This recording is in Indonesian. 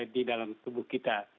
di dalam tubuh kita